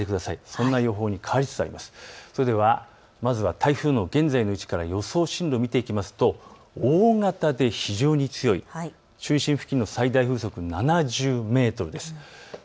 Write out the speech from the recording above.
台風の現在の位置から予想進路見ていきますと大型で非常に強い中心付近の最大風速は７０メートル。